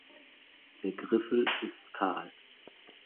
Der Griffel ist kahl.